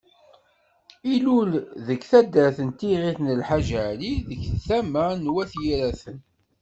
Ilul deg taddart Tiɣilt Lḥaǧ Ali, deg tama n Wat Yiraten.